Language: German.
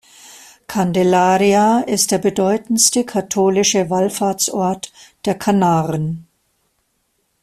Candelaria ist der bedeutendste katholische Wallfahrtsort der Kanaren.